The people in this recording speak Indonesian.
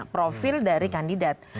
profil dari kandidat